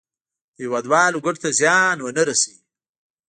د هېوادوالو ګټو ته زیان ونه رسوي.